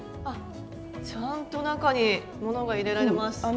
あっちゃんと中にものが入れられます。